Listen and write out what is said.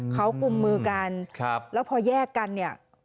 เขากลุ่มมือกันแล้วพอแยกกัน